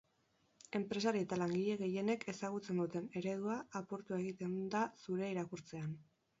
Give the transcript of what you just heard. Enpresari eta langile gehienek ezagutzen duten eredua apurtu egiten da zurea irakurtzean.